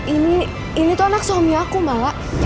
ini ini tuh anak suami aku malah